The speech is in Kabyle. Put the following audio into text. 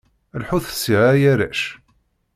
Lḥut sya ay arrac!